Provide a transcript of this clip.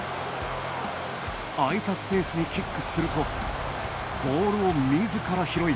空いたスペースにキックするとボールをみずから拾い